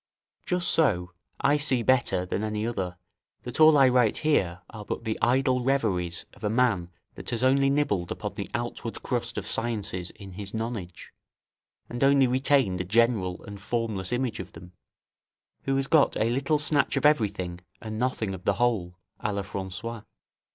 Just so, I see better than any other, that all I write here are but the idle reveries of a man that has only nibbled upon the outward crust of sciences in his nonage, and only retained a general and formless image of them; who has got a little snatch of everything and nothing of the whole, 'a la Francoise'.